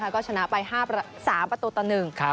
ก็ชนะไป๓ประตูตะหนึ่ง